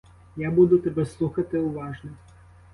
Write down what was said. Я буду тебе слухати уважно.